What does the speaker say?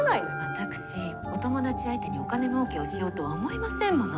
私お友達相手にお金もうけをしようとは思いませんもの。